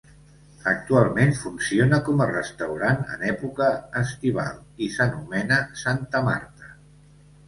Actualment funciona com a restaurant en època estival i s'anomena Santa Marta.